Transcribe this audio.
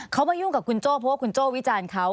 เขามายุ่งกับคุณโจ้เพราะว่าคุณโจ้วิจารณ์เขา